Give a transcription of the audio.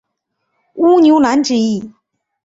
乌牛栏之役。